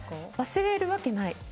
忘れるわけない。